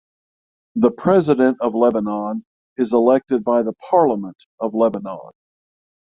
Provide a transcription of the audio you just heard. The President of Lebanon is elected by the Parliament of Lebanon.